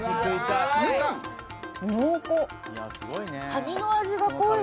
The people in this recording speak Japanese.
カニの味が濃い。